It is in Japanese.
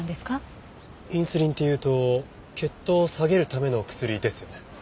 インスリンっていうと血糖を下げるための薬ですよね？